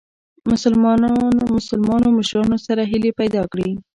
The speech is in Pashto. مسلمانو مشرانو سره هیلي پیدا کړې.